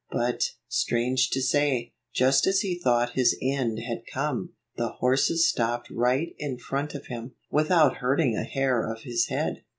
But, strange to say, just as he thought his end had come, the horses stopped right in front of him, without hurting a hair of his head.